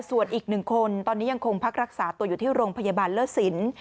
ส่วนอีก๑คนตอนนี้ยังคงพักรักษาตัวอยู่ที่โรงพยาบาลเลิศสิน